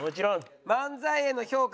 漫才への評価